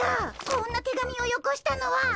こんな手紙をよこしたのは！